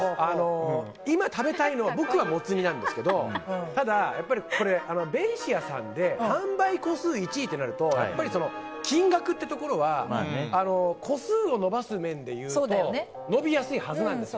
今食べたいの僕はもつ煮なんですけどただ、ベイシアさんで販売個数１位となるとやっぱり、金額ってところは個数を伸ばす面でいうと伸びやすいはずなんです。